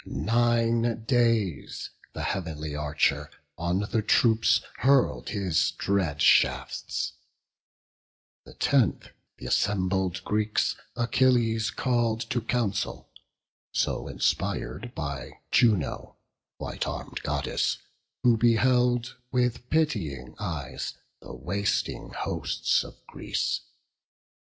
Nine days the heav'nly Archer on the troops Hurl'd his dread shafts; the tenth, th' assembled Greeks Achilles call'd to council; so inspir'd By Juno, white arm'd Goddess, who beheld With pitying eyes the wasting hosts of Greece.